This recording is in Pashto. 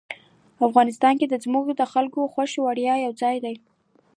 افغانستان کې ځمکه د خلکو د خوښې وړ یو ځای دی.